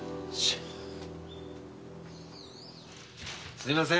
すみません